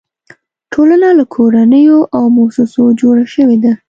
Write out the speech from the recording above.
ټولنه له کورنیو او مؤسسو جوړه شوې ده.